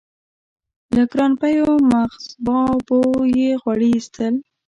له ګرانبیو مغزبابو یې غوړي اېستل.